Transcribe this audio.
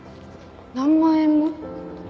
何万円も？